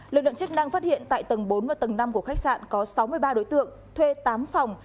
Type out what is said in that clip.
lực lượng chức năng phát hiện tại tầng bốn và tầng năm của khách sạn có sáu mươi ba đối tượng thuê tám phòng